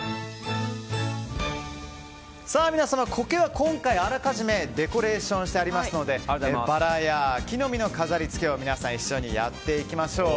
皆さん、コケはあらかじめデコレーションしてありますのでバラや木の実の飾り付けを皆さん一緒にやっていきましょう。